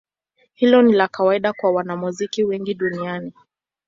Hilo ni la kawaida kwa wanamuziki wengi duniani.